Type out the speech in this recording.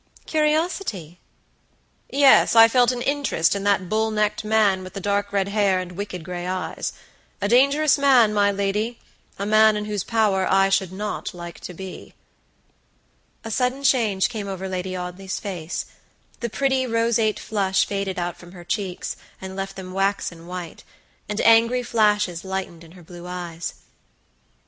"Curiosity?" "Yes; I felt an interest in that bull necked man, with the dark red hair and wicked gray eyes. A dangerous man, my ladya man in whose power I should not like to be." A sudden change came over Lady Audley's face; the pretty, roseate flush faded out from her cheeks, and left them waxen white, and angry flashes lightened in her blue eyes.